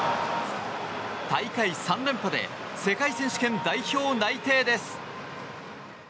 大会３連覇で世界選手権代表内定です。